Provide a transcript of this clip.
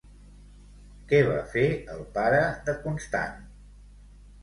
Què va fer el pare de Constant?